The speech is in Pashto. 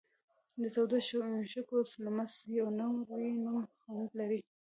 د تودو شګو لمس یو نرم خوند لري.